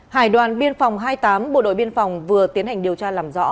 hải đoàn biên phòng hai mươi tám bộ đội biên phòng vừa tiến hành điều tra làm rõ